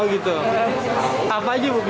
dari tahun berapa